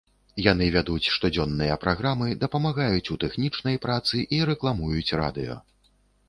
Яны вядуць штодзённыя праграмы, дапамагаюць у тэхнічнай працы і рэкламуюць радыё.